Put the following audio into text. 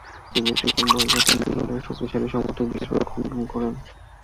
তিনি সৃজন বহির্গত নিহিলোর শক্তিশালী সমর্থক, বিশেষভাবে খণ্ডন করেন।